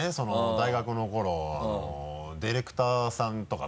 大学の頃ディレクターさんとか。